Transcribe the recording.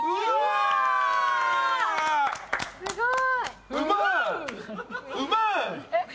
すごい！